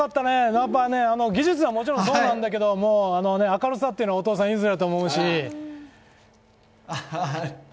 やっぱり技術はもちろんそうなんだけどね、明るさっていうのはお父さん譲りだと思うし。